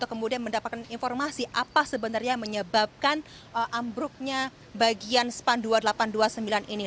kemudian mendapatkan informasi apa sebenarnya yang menyebabkan ambruknya bagian span dua ribu delapan ratus dua puluh sembilan ini